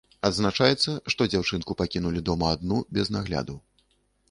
Адзначаецца, што дзяўчынку пакінулі дома адну без нагляду.